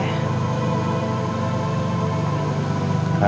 nih udah mau